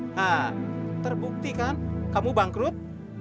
nah terbukti kan kamu bangkrut